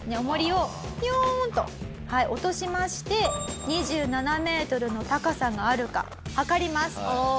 重りをピョーンと落としまして２７メートルの高さがあるか測ります。